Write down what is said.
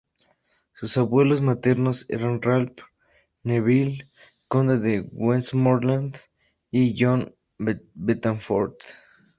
Sus abuelos maternos eran Ralph Neville, conde de Westmorland y Joan Beaufort.